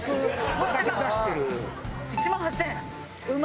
１万８０００円！